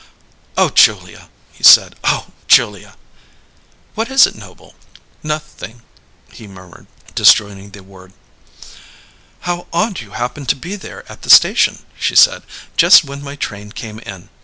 "Oh, Julia!" he said. "Oh, Julia!" "What is it, Noble?" "Noth ing," he murmured, disjointing the word. "How odd you happened to be there at the station," she said, "just when my train came in!